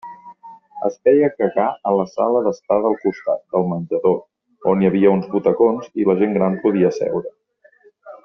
Es feia cagar a la sala d'estar del costat del menjador, on hi havia uns butacons i la gent gran podia seure.